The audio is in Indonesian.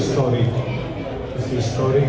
seorang kardinal katolik